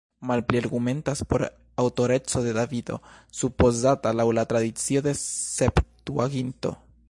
Malpli argumentas por aŭtoreco de Davido, supozata laŭ la tradicio de Septuaginto.